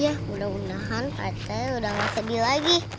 ya mudah mudahan pak rt udah gak sedih lagi